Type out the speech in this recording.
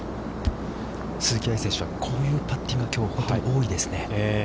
◆鈴木愛選手はこういうパッティングがきょうは多いですね。